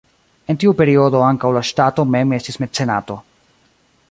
En tiu periodo ankaŭ la ŝtato mem estis mecenato.